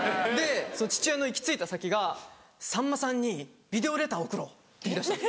父親の行き着いた先が「さんまさんにビデオレター送ろう」って言いだして。